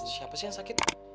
siapa sih yang sakit